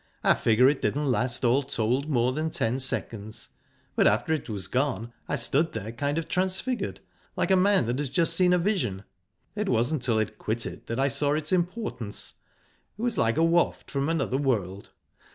I figure it didn't last all told more than ten seconds. But after it was gone I stood there kind of transfigured, like a man that has just seen a vision. It wasn't till it quitted that I saw its importance. It was like a waft from another world...